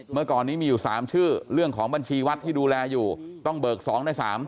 เมื่อก่อนนี้มีอยู่๓ชื่อเรื่องของบัญชีวัดที่ดูแลอยู่ต้องเบิก๒ใน๓